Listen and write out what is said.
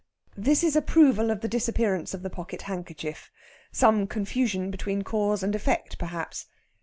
This is approval of the disappearance of the pocket handkerchief some confusion between cause and effect, perhaps.